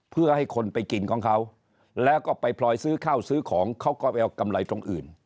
เพื่อให้คนไปกินของเขาแล้วก็ไปพลอยซื้อข้าวซื้อของเขาก็ไปเอากำไรตรงอื่น